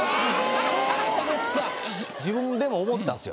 自分でも思ったんすよ。